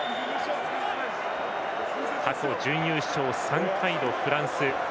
勝てば準優勝３回のフランス。